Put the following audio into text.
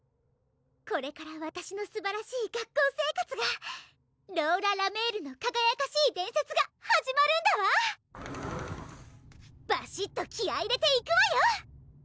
これからわたしのすばらしい学校生活がローラ・ラメールのかがやかしい伝説が始まるんだわバシッと気合い入れていくわよ！